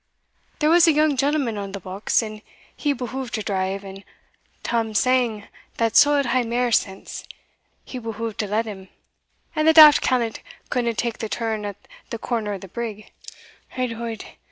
There was a young gentleman on the box, and he behuved to drive; and Tam Sang, that suld hae mair sense, he behuved to let him, and the daft callant couldna tak the turn at the corner o' the brig; and od!